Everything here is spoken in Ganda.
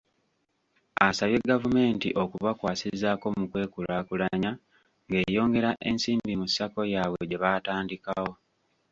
Asabye gavumenti okubakwasizaako mu kwekulaakulanya ng'eyongera ensimbi mu Sacco yaabwe gye baatandikawo.